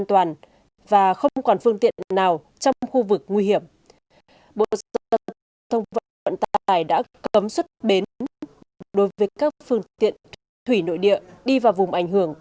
trước khi nãy sáng giá bà nguyễn hiến địa giao piếng cô đơn kepada bạn đã đăng lên thông tin ở facebook roadmap chủ nhật video của mày mrs quân tướng viễn hatte cố gắng palaceiggs